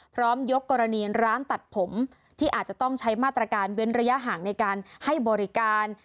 ยกกรณีร้านตัดผมที่อาจจะต้องใช้มาตรการเว้นระยะห่างในการให้บริการ